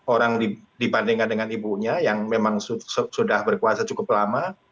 orang dibandingkan dengan ibunya yang memang sudah berkuasa cukup lama